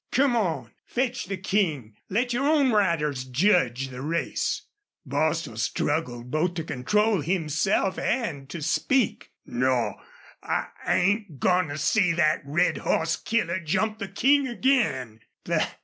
"Come on! Fetch the King! Let your own riders judge the race!" Bostil struggled both to control himself and to speak. "Naw! I ain't goin' to see thet red hoss killer jump the King again!"